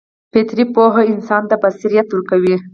فطري پوهه انسان ته بصیرت ورکوي.